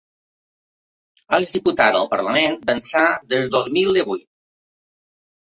És diputada al parlament d’ençà del dos mil divuit.